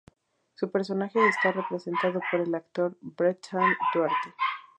Su personaje está representado por el actor Bertrand Duarte.